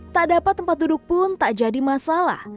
tak dapat tempat duduk pun tak bisa